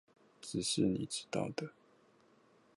只是你知道的